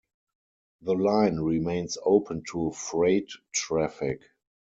The line remains open to freight traffic.